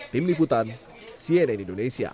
tim liputan cnn indonesia